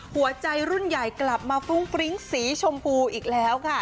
หัวใจรุ่นใหญ่กลับมาฟรุ้งฟริ้งสีชมพูอีกแล้วค่ะ